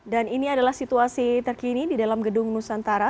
dan ini adalah situasi terkini di dalam gedung nusantara